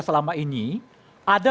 selama ini ada